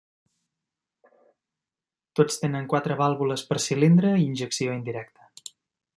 Tots tenen quatre vàlvules per cilindre i injecció indirecta.